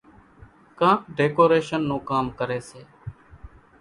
ڪانڪ ڍيڪوريشنَ نون ڪام ڪريَ سي۔